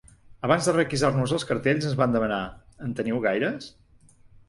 Abans de requisar-nos els cartells ens va demanar: “En teniu gaires?”